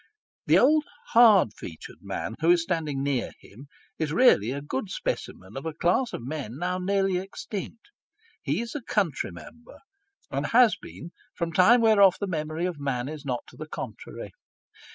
The old hard featured man who is standing near him, is really a good specimen of a class of men, now nearly extinct. He is a county Member, and has been from time whereof the memory of man is not to the contrary.